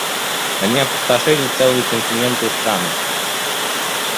Они опустошили целые континенты и страны.